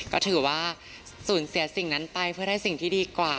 ก็ถือว่าสูญเสียสิ่งนั้นไปเพื่อได้สิ่งที่ดีกว่า